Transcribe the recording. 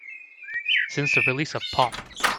Since the release of Pop!